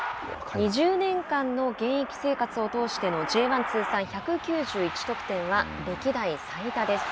２０年間の現役生活通してのＪ１通算１９１得点は歴代最多です。